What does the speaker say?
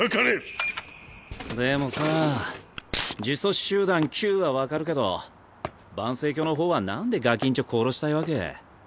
ピッでもさ呪詛師集団「Ｑ」は分かるけど盤星教の方はなんでガキんちょ殺したいわけ？